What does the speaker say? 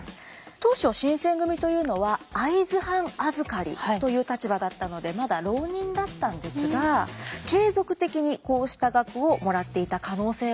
当初新選組というのは会津藩預かりという立場だったのでまだ浪人だったんですが継続的にこうした額をもらっていた可能性はあると。